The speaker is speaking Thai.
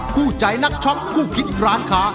คู่ใจนักช็อคคู่คิดร้านค้า